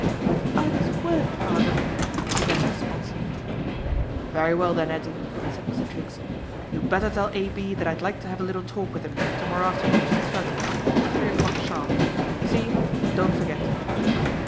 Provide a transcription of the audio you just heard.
" But Arthur's work, father " began Mrs. Bonsor. "Very well then, 'Ettie," said Mr. Triggs, "you better tell A. B. that I'd like to 'ave a little talk with 'im to morrow afternoon at Streatham, at; three o'clock sharp. See ? Don't forget